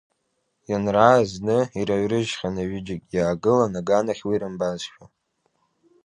Ианрааз зны ираҩрыжьхьан аҩыџьагь, иаагылан аган ахь уи рымбазшәа.